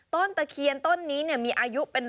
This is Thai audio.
ต้นตะเคียนต้นนี้เนี่ยมีอายุเป็น